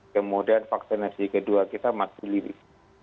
kemudian vaksinasi kedua kita masih lirik